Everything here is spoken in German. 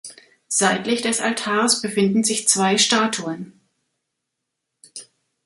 Seitlich des Altars befinden sich zwei Statuen.